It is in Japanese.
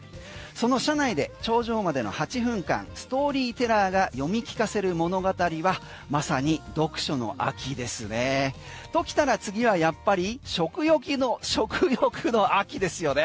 その車内で頂上までの８分間ストーリーテラーが読み聞かせる物語はまさに読書の秋ですね。ときたら次はやっぱり食欲の秋ですよね。